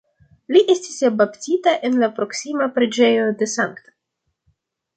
Li estis baptita en la proksima preĝejo de Sankta.